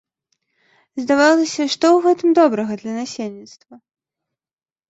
Здавалася, што ў гэтым добрага для насельніцтва?